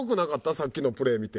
さっきのプレー見て。